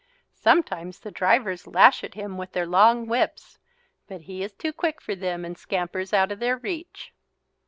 Sometimes the drivers lash at him with their long whips but he is too quick for them and scampers out of their reach.